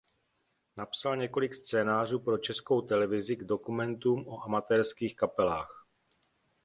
Napsal několik scénářů pro Českou televizi k dokumentům o amatérských kapelách.